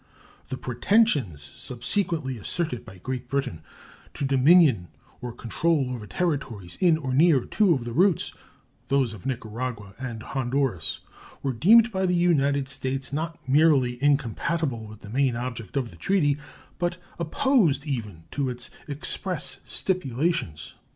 The pretensions subsequently asserted by Great Britain to dominion or control over territories in or near two of the routes, those of Nicaragua and Honduras, were deemed by the United States not merely incompatible with the main object of the treaty, but opposed even to its express stipulations.